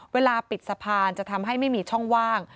เวลาปิดสะพานจะทำให้ไม่มีช่องว่าง